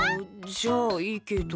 じゃあいいけど。